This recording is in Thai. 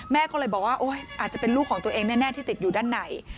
แม่ก็เลยบอกว่าอาจจะเป็นลูกของตัวเองแน่ที่ติดอยู่ด้านใน